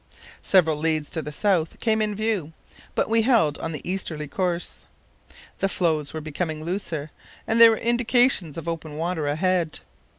Several leads to the south came in view, but we held on the easterly course. The floes were becoming looser, and there were indications of open water ahead.